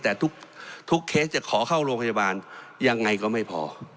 แต่ทุกเคสจะขอเข้าโรงพยาบาลยังไงก็ไม่พอ